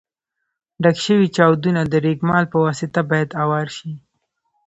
ډک شوي چاودونه د رېګمال په واسطه باید اوار شي.